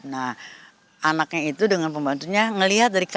nah anaknya itu dengan pembantunya ngelihat dari kaca